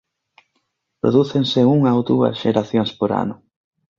Prodúcense unha ou dúas xeracións por ano.